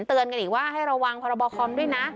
เตือนกันอีกว่าให้ระวังพรบคอมด้วยนะ